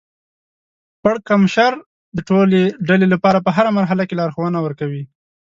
پړکمشر د ټولې ډلې لپاره په هره مرحله کې لارښوونه ورکوي.